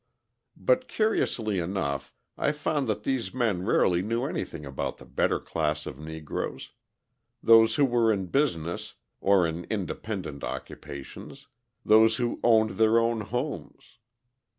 But curiously enough I found that these men rarely knew anything about the better class of Negroes those who were in business, or in independent occupations, those who owned their own homes.